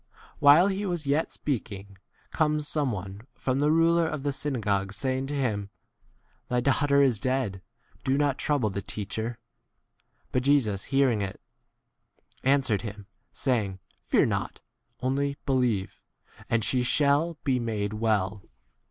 While he was yet speaking, comes some one from the ruler of the synagogue, saying to him, Thy daughter is dead ; do 50 not trouble the teacher. But Jesus hearing it, answered him, saying, Fear not: only believe, 51 and she shall be made well.